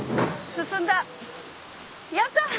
進んだ。